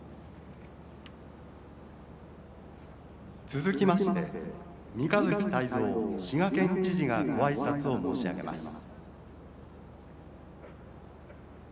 「続きまして三日月大造滋賀県知事がご挨拶を申し上げます」。